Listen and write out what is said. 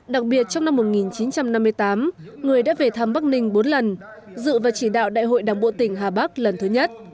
đặc biệt trong năm một nghìn chín trăm năm mươi tám người đã về thăm bắc ninh bốn lần dự và chỉ đạo đại hội đảng bộ tỉnh hà bắc lần thứ nhất